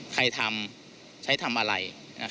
ใครทำใช้ทำอะไร